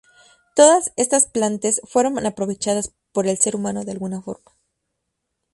Todas estas plantes fueron aprovechadas por el ser humano de alguna forma.